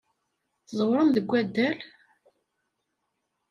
Tẓewrem deg waddal?